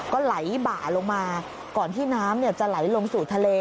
ก็ไหลบ่าลงมาก่อนที่น้ำจะไหลลงสู่ทะเล